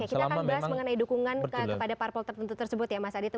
oke kita akan bahas mengenai dukungan kepada parpol tertentu tersebut ya mas adito